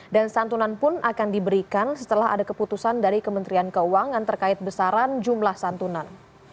dan santunan pun akan diberikan setelah ada keputusan dari kementerian keuangan terkait besaran jumlah santunan